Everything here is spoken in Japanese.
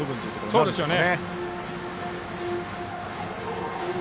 そうですね。